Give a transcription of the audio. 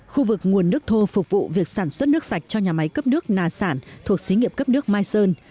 khu vực nguồn nước thô phục vụ việc sản xuất nước sạch cho nhà máy cấp nước nà sản thuộc xí nghiệp cấp nước mai sơn